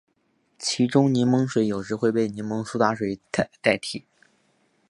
其中柠檬水有时会被柠檬苏打水代替。